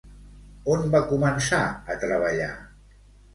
On va començar a treballar?